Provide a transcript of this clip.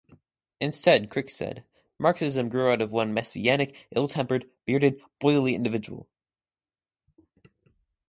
Instead Crick said: "Marxism grew out of one messianic, ill-tempered, bearded, boily individual".